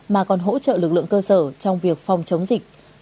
mà còn hỗ trợ lực lượng cơ sở trong việc phòng chống dịch